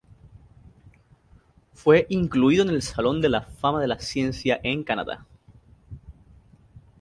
Fue incluido en el Salón de la Fama de la Ciencia en Canadá.